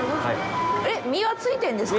身はついてるんですか？